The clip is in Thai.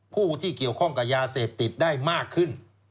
ผู้ที่เกี่ยวข้องกับยาเสพติดได้มากขึ้น